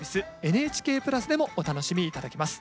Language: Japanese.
ＮＨＫプラスでもお楽しみ頂けます。